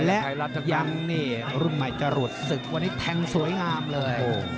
และยังนี่รุ่นใหม่จรวดศึกวันนี้แทงสวยงามเลย